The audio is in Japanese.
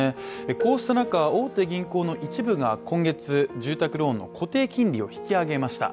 こうした中、大手銀行の一部が今月住宅ローンの固定金利を引き上げました。